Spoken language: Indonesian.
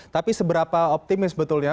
tapi seberapa optimis betulnya